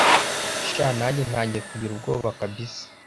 sha nanjye ntagiye kugira ubwoba kabsa